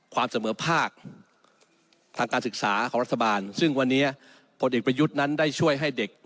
เสมอภาคทางการศึกษาของรัฐบาลซึ่งวันนี้พลเอกประยุทธ์นั้นได้ช่วยให้เด็ก